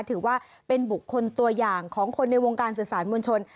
ถือว่าเป็นบุคคลตัวอย่างของคนในวงการสื่อสารมวลชน